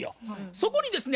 そこにですね